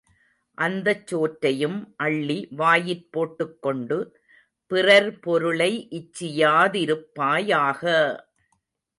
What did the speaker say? அந்தச் சோற்றையும் அள்ளி வாயிற் போட்டுக்கொண்டு, பிறர்பொருளை இச்சியா திருப்பாயாக!